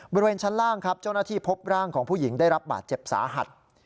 บริเวณชั้นล่างครับเจ้าหน้าที่พบร่างของผู้หญิงได้รับบาดเจ็บสาหัส